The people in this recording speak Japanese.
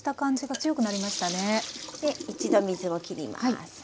で一度水をきります。